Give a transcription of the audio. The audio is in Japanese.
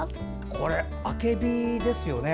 これ、あけびですよね。